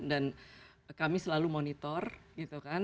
dan kami selalu monitor gitu kan